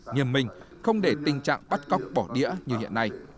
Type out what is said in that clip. nghiêm minh không để tình trạng bắt cóc bỏ đĩa như hiện nay